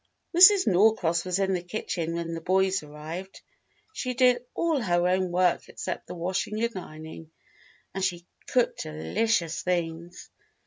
Mrs. Norcross was in the kitchen when the boys arrived. She did all her own work except the washing and ironing, and she cooked delicious things.